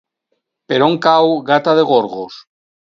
Per on cau Gata de Gorgos?